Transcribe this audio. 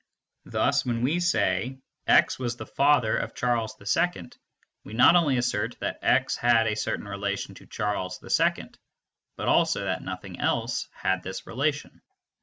Thus when we say "x was the father of Charles II" we not only assert that x had a certain relation to Charles II, but also that nothing else had this relation.